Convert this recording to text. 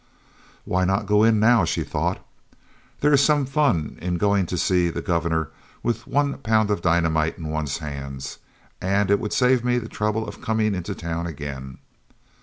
"Why not go in now?" she thought. "There is some fun in going to see the Governor with one pound of dynamite in one's hands, and it would save me the trouble of coming into town again.